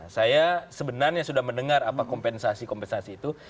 saya sebenarnya sudah mendengar apa kompensasi kompensasi itu